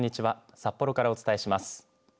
札幌からお伝えします。